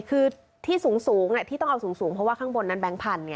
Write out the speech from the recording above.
คือที่สูงที่ต้องเอาสูงเพราะว่าข้างบนนั้นแก๊งพันธุ